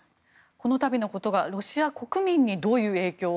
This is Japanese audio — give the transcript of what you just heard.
この度のことがロシア国民にどういう影響を。